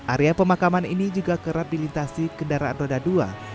area pemakaman ini juga kerap dilintasi kendaraan roda dua